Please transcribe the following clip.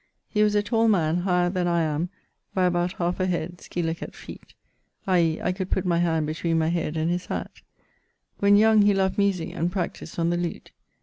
He was a tall man, higher then I am by about halfe a head (scil.... feet), i.e. I could putt my hand between my head and his hatt. When young he loved musique and practised on the lute.